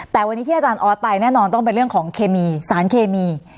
แต่วันนี้ที่อาจารย์ออสไปแน่นอนต้องเป็นเรื่องของเคมีสารเคมี